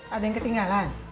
ada yang ketinggalan